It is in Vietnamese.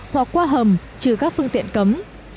hoặc qua hầm trừ các phương tiện cấm